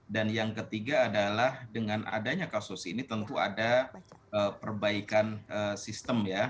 dan yang ketiga adalah dengan adanya kasus ini tentu ada perbaikan sistem ya